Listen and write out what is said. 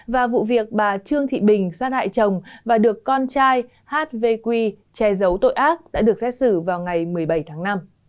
và vụ việc bà trương thị bình sát hại chồng và được con trai hv che giấu tội ác đã được xét xử vào ngày một mươi bảy tháng năm